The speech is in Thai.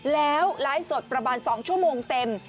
แล้วไลฟ์สดประมาณ๒ชั่วโมงเต็ม